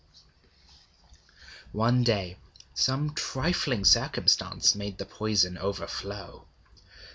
One day some trifling circumstance made the poison overflow.